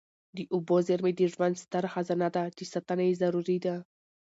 د اوبو زیرمې د ژوند ستره خزانه ده چي ساتنه یې ضروري ده.